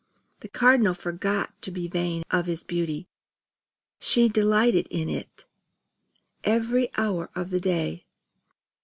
The Cardinal forgot to be vain of his beauty; she delighted in it every hour of the day.